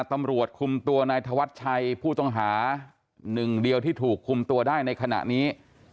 ตำรวจคุมตัวนายธวัชชัยผู้ต้องหาหนึ่งเดียวที่ถูกคุมตัวได้ในขณะนี้